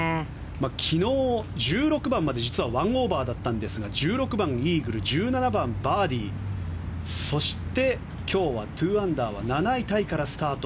昨日、１６番まで実は１オーバーだったんですが１６番、イーグル１７番、バーディーそして、今日は２アンダーは７位タイからスタート。